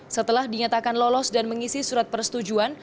setelah dinyatakan lolos dan mengisi surat persetujuan